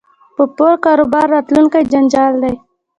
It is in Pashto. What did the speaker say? په پور کاروبار راتلونکی جنجال دی